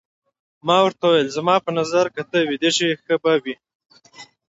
ما ورته وویل: زما په نظر که ته ویده شې ښه به وي.